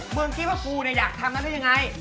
มึงคิดว่ากูอยากทำนั้นได้ยังไง